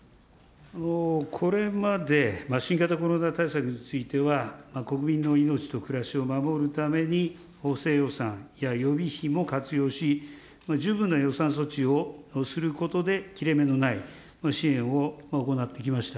これまで新型コロナ対策については、国民の命と暮らしを守るために、補正予算や予備費も活用し、十分な予算措置をすることで、切れ目のない支援を行ってきました。